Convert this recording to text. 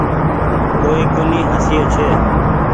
ڪوئي ڪونيٚ هسئي ڇي۔